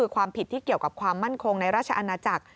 ความผิดที่เกี่ยวกับความมั่นคงในราชอาณาจักร